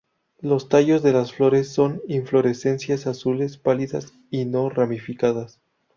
Los tallos de las flores son inflorescencias azules pálidas y no ramificadas.